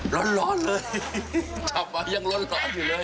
ร้อนเลยกลับมายังร้อนอยู่เลย